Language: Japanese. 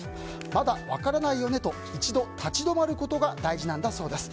まだ分からないよねと一度立ち止まることが大事なんだそうです。